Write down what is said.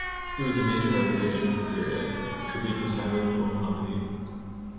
It was a major evocation of a period, a tribute to silent-film comedy.